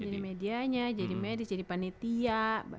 jadi medianya jadi medis jadi panitia